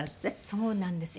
そうなんです。